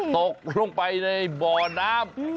ตกลงไปในบ่อน้ำ